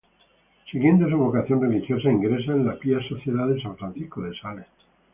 Siguiendo su vocación religiosa, ingresó a la Pía Sociedad de San Francisco de Sales.